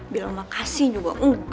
bilang makasih juga engga